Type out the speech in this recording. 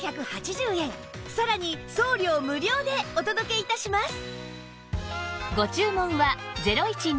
さらに送料無料でお届け致します